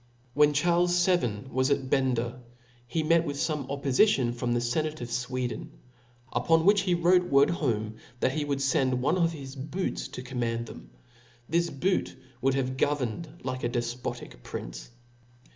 When Charles XII. was at Bender, he met with fome oppofition from the fenate of Sweden ; upon which he wrote word home, that he would fend one of his boots to command them. This boot ,would have governed like a defpotic prince.